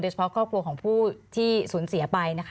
เฉพาะครอบครัวของผู้ที่สูญเสียไปนะคะ